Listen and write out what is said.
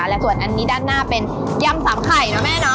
และส่วนอันนี้ด้านหน้าเป็นยำสามไข่นะแม่เนอ